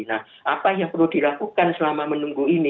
nah apa yang perlu dilakukan selama menunggu ini